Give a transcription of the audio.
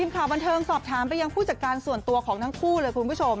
ข่าวบันเทิงสอบถามไปยังผู้จัดการส่วนตัวของทั้งคู่เลยคุณผู้ชม